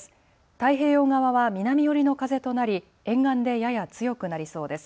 太平洋側は南寄りの風となり沿岸でやや強くなりそうです。